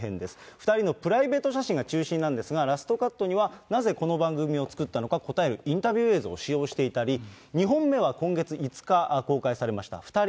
２人のプライベート写真が中心なんですが、ラストカットには、なぜこの番組を作ったのか答えるインタビュー映像を使用していたり、２本目は今月５日、公開されました。